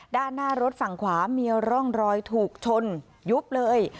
ด้านหน้ารถฝั่งขวามีร่องรอยถูกชนยุบเลย